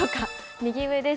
右上です。